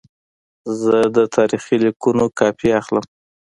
زه د تاریخي لیکونو کاپي اخلم.